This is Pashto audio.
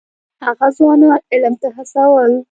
هغه ځوانان علم ته هڅول.